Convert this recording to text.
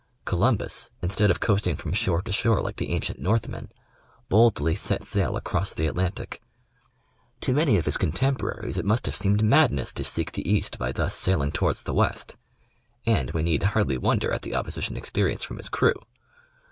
Columbus instead of coast ing from shore to shore like the ancient Northmen, boldly set sail across the Atlantic. To many of his contemporaries it must have seemed madness to seek the East by thus sailing towards the West, and we need hardly wonder at the opposition experienced from his crew.